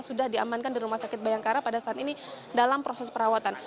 sudah diamankan di rumah sakit bayangkara pada saat ini dalam proses perawatan